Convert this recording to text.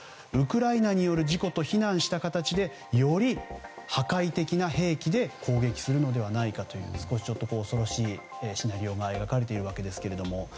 ウクライナによる事故と非難した形でより破壊的な兵器で攻撃するのではないかという少し恐ろしいシナリオが描かれているわけですけれども。